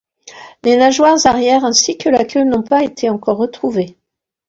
Les nageoires arrières ainsi que la queue n'ont pas été encore retrouvées.